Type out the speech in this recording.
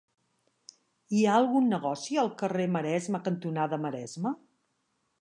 Hi ha algun negoci al carrer Maresme cantonada Maresme?